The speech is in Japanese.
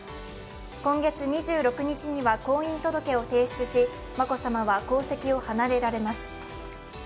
今月２６日には婚姻届を提出し、眞子さまは皇籍を離れられます。